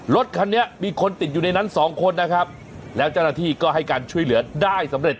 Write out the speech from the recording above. รถคันนี้มีคนติดอยู่ในนั้นสองคนนะครับแล้วเจ้าหน้าที่ก็ให้การช่วยเหลือได้สำเร็จ